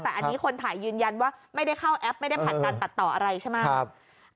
แต่อันนี้คนถ่ายยืนยันว่าไม่ได้เข้าแอปไม่ได้ผลัดการตัดต่ออะไรใช่ไหม